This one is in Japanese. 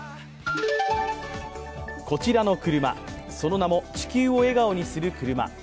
こちらの車、その名も地球を笑顔にするくるま。